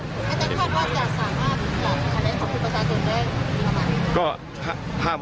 อาจารย์คิดว่าจะสามารถเหลือคะแนนขอบคุณประจานก่อนได้มั้ย